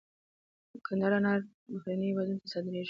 د کندهار انار بهرنیو هیوادونو ته صادریږي